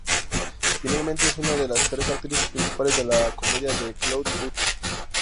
Finalmente, es una de las tres actrices principales de la comedia de Claude Duty.